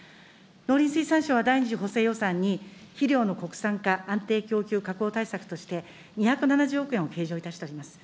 農林水産省は第２次補正予算に、肥料の国産化、安定供給確保対策について、２７０億円を計上いたしております。